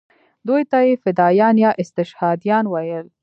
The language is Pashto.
دوی ته یې فدایان یا استشهادیان ویل.